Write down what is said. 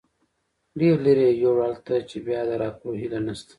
ډېر لرې یې یوړل، هلته چې بیا د راتلو هیله نشته.